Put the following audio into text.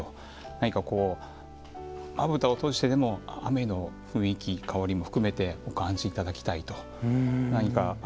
何かこうまぶたを閉じててでも雨の雰囲気、香りをお感じいただきたいと。